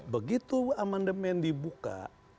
begitu amandemen dibuka